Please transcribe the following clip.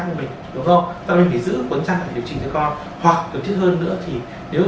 với mình đúng không ta mình phải giữ cẩn trang để điều trị cho con hoặc cần thiết hơn nữa thì nếu